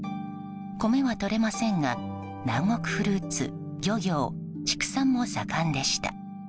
米はとれませんが南国フルーツ、漁業畜産も盛んでした。